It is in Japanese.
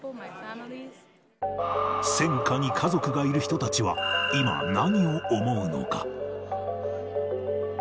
戦禍に家族がいる人たちは、今、何を思うのか。